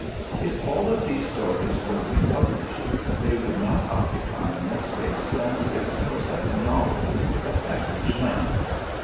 If all of these stories were republished, they would not occupy more space than six or seven novels of average length.